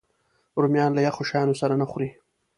رومیان له یخو شیانو سره نه خوري